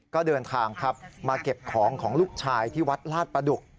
ก็เดินทางครับมาเก็บของของลูกชายที่วัดลาดประดุก